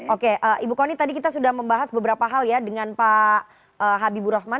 oke ibu kony tadi kita sudah membahas beberapa hal ya dengan pak habibur rahman